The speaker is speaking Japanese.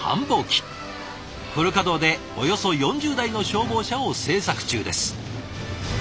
フル稼働でおよそ４０台の消防車を製作中です。